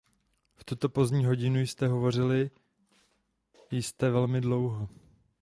V tuto pozdní hodinu jste hovořil jste velmi dlouho.